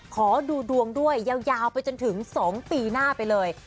ขอดูดวงด้วยยาวไปจนถึง๒ปีหน้าไปเลย